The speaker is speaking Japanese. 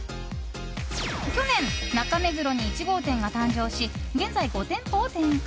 去年、中目黒に１号店が誕生し現在５店舗を展開。